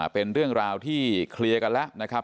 เป็นเรื่องราวที่เคลียร์กันแล้วนะครับ